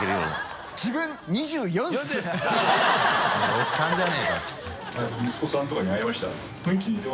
「おっさんじゃねぇか」って言って。